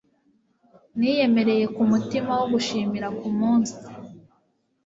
Niyemereye kumutima wo gushimira kumunsi